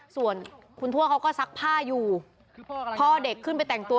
ส่วนคุณทั่วเขาก็ซักผ้าอยู่พอเด็กขึ้นไปแต่งตัว